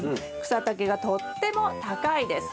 草丈がとっても高いです。